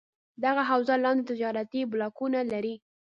دغه حوزه لاندې تجارتي بلاکونه لري: